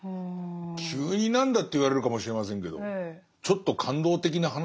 急に何だって言われるかもしれませんけどちょっと感動的な話ですね。